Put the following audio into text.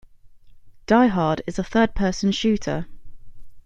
"Die Hard" is a third-person shooter.